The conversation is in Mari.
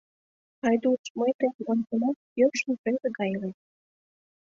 — Айдуш, мый тыйым ончемат, йӧршын презе гай илет...